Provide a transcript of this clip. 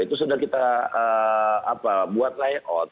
itu sudah kita buat layout